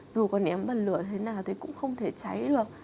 dù có ném bần lửa thế nào thì cũng không thể cháy được